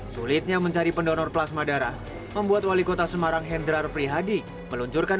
sembilan belas sulitnya mencari pendonor plasma darah membuat wali kota semarang hendra prihadi meluncurkan